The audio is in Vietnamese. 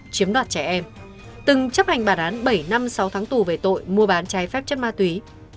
chiếm đoạt trẻ em từng chấp hành bản án bảy năm sáu tháng tù về tội mua bán trái phép chất ma túy